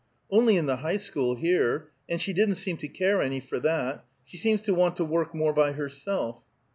"Only in the High School, here. And she didn't seem to care any for that. She seems to want to work more by herself."